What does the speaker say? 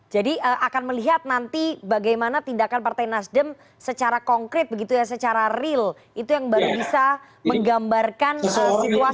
jadi akan melihat nanti bagaimana tindakan partai nasdem secara konkret secara real itu yang baru bisa menggambarkan situasi yang sebenarnya